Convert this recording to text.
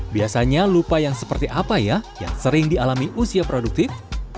biasanya lupa yang seperti apa ya yang sering dialami usia produktif